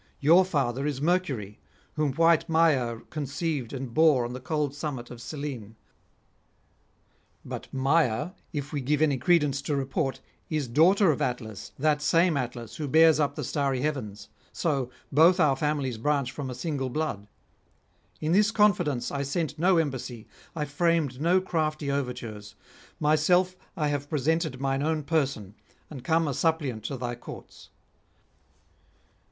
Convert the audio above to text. Your father is Mercury, whom white Maia conceived and bore on the cold summit of Cyllene; but Maia, if we give any credence to report, is daughter of Atlas, that same Atlas who bears up the starry heavens; so both our families branch from a single blood. In this confidence I sent no embassy, I framed no crafty overtures; myself I have presented mine own person, and come a suppliant to thy courts.